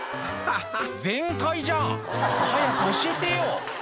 「全開じゃん！早く教えてよ」